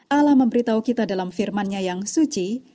allah memberitahu kita dalam firmannya yang suci